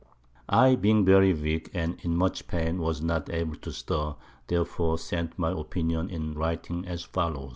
I being very weak, and in much Pain, was not able to stir, therefore sent my Opinion in Writing, as follows.